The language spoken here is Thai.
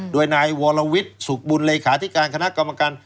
โดยนายวรวิทย์สุขบุญเลขาธิการคณะกรรมการ